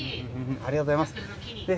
ありがとうございます。